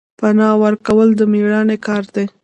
پنا ورکول د میړانې کار دی